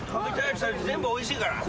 全部おいしいから。